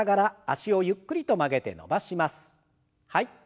はい。